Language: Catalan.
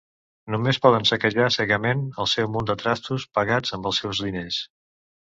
Només poden saquejar cegament el seu munt de trastos, pagats amb els seus diners.